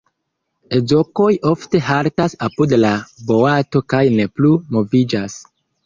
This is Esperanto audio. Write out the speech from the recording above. Ezokoj ofte haltas apud la boato kaj ne plu moviĝas.